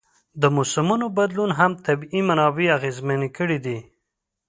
د موسمونو بدلون هم طبیعي منابع اغېزمنې کړي دي.